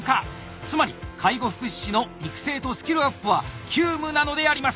つまり介護福祉士の育成とスキルアップは急務なのであります！